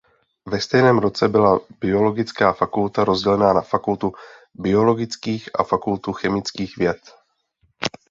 Ve stejném roce byla Biologická fakulta rozdělena na fakultu biologických a fakultu chemických věd.